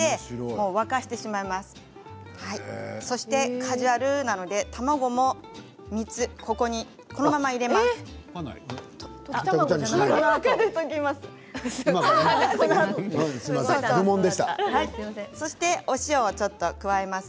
カジュアルなので卵も３つここに、このまま入れます。